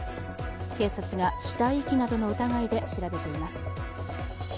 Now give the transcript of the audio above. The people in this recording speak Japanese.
警察が死体遺棄などの疑いで調べています。